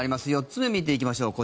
４つ目見ていきましょう。